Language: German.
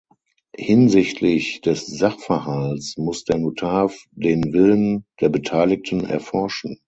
Hinsichtlich des Sachverhalts muss der Notar den Willen der Beteiligten erforschen.